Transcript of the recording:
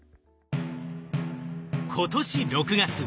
今年６月。